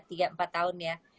tiga empat tahun ya